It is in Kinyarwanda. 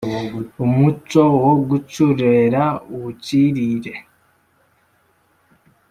umuco wo gucurera uwucirire